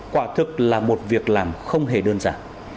quả thực là một việc làm không hề đơn giản